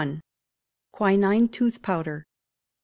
Quinine Tooth Powder.